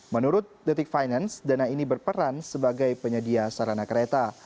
menurut detik finance dana ini berperan sebagai penyedia sarana kereta